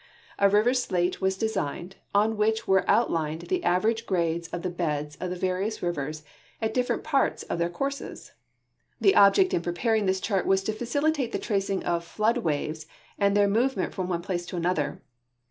A river slate was designed, on which were outlined the average grades of the beds of the various rivers at different jiarts of tlieir courses. The object in preparing this chart was to facilitate the tracing of flood waves and their move ment from one place to another.